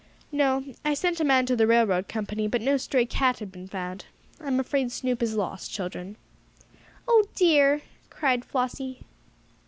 "No. I sent a man to the railroad company, but no stray cat had been found. I am afraid Snoop is lost, children." "Oh dear!" cried Flossie.